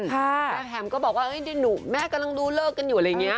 แม่แฮมก็บอกว่าเดี๋ยวหนูแม่กำลังดูเลิกกันอยู่อะไรอย่างนี้